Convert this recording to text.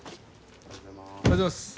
おはようございます。